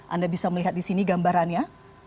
anda bisa melihat di sini gambarannya